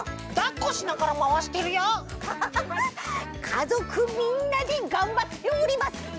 かぞくみんなでがんばっております！